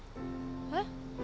えっ？